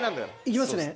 行きますね。